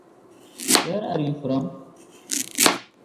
Helicopter service was quickly suspended, and has never resumed.